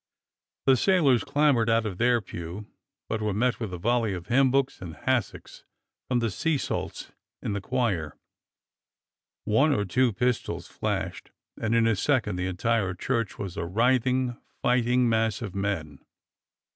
The sailors clambered out of their pew, but were met with a volley of hymn books and hassocks from the sea salts in the choir. One or two pistols flashed, and in a second the entire church was a writhing, fighting mass of men.